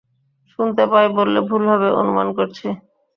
শুনতে পাই বললে ভুল হবে, অনুমান করছি।